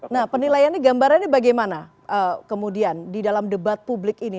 nah penilaiannya gambarannya bagaimana kemudian di dalam debat publik ini